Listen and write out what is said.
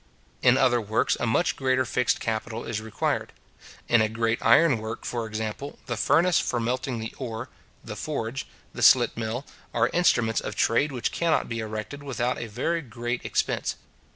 In other works a much greater fixed capital is required. In a great iron work, for example, the furnace for melting the ore, the forge, the slit mill, are instruments of trade which cannot be erected without a very great expense.